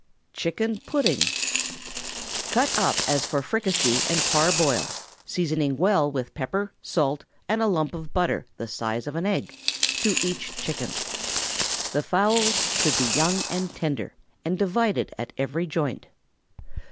CHICKEN PUDDING. ✠ Cut up as for fricassee, and parboil, seasoning well with pepper, salt, and a lump of butter the size of an egg, to each chicken. The fowls should be young and tender, and divided at every joint.